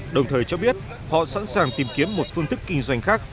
đồng thời cho biết họ sẵn sàng tìm kiếm một phương thức kinh doanh khác